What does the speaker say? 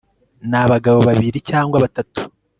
n abagabo babiri cyangwa batatu